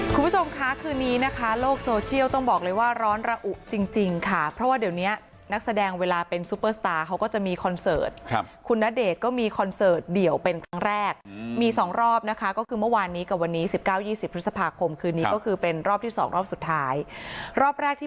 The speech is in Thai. คุณผู้ชมคะคืนนี้นะคะโลกโซเชียลต้องบอกเลยว่าร้อนระอุจริงจริงค่ะเพราะว่าเดี๋ยวเนี้ยนักแสดงเวลาเป็นซูเปอร์สตาร์เขาก็จะมีคอนเสิร์ตครับคุณณเดชน์ก็มีคอนเสิร์ตเดี่ยวเป็นครั้งแรกมีสองรอบนะคะก็คือเมื่อวานนี้กับวันนี้สิบเก้ายี่สิบพฤษภาคมคืนนี้ก็คือเป็นรอบที่สองรอบสุดท้ายรอบแรกที่